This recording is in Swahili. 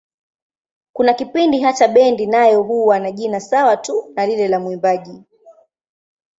Kuna kipindi hata bendi nayo huwa na jina sawa tu na lile la mwimbaji.